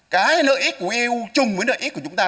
cái nợ ích của eu chung với nợ ích của chúng ta